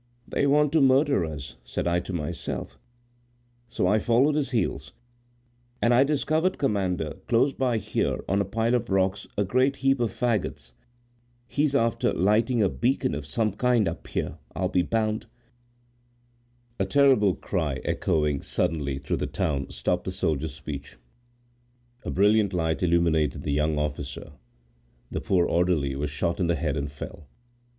They want to murder us! said I to myself, so I followed his heels; and I've discovered, commander, close by here, on a pile of rock, a great heap of fagots—he's after lighting a beacon of some kind up here, I'll be bound—" A terrible cry echoing suddenly through the town stopped the soldier's speech. A brilliant light illuminated the young officer. The poor orderly was shot in the head and fell.